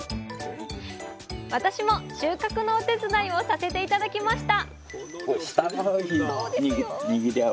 私も収穫のお手伝いをさせて頂きました